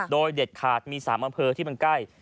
โดยเด็ดขาดมี๓อำเภอที่มันใกล้